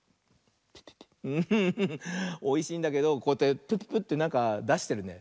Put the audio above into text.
おいしいんだけどこうやってプップップッてなんかだしてるね。